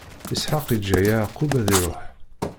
Isḥaq iǧǧa Yeɛqub ad iṛuḥ.